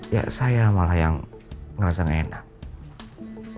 ya saya malah yang merasa gak enak